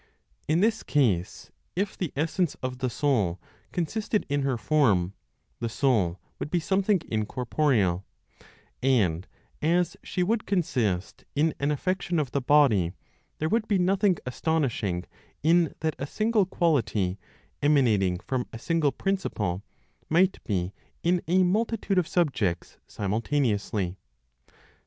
In this case (if the essence of the soul consisted in her form) the soul would be something incorporeal, and as she would consist in an affection of the body, there would be nothing astonishing in that a single quality, emanating from a single principle, might be in a multitude of subjects simultaneously.